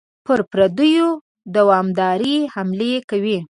پر پردیو دوامدارې حملې کوي.